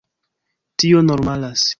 Tio normalas.